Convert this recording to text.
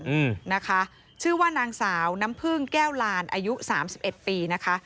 อืมนะคะชื่อว่านางสาวน้ำพื้งแก้วลานอายุ๓๑ปีนะคะ